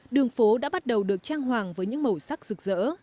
đường phố đã bắt đầu được trang hoàng với những màu sắc rực rỡ